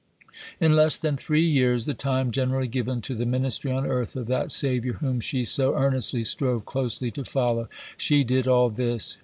In less than three years the time generally given to the ministry on earth of that Saviour whom she so earnestly strove closely to follow she did all this.